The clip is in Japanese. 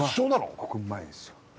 ここうまいですよ